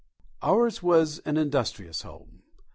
Ours was an industrious home.